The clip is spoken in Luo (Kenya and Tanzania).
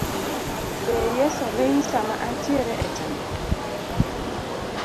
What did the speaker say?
Be Yeso ling sama antiere e chandruok.